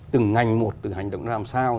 từng ngành một từng hành động làm sao